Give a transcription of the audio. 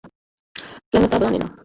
কেন তা জানি না।